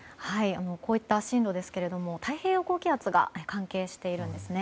こういった進路ですけども太平洋高気圧が関係しているんです。